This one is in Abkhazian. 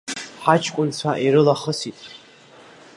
Ҳаҷкәынцәа ирылахысит!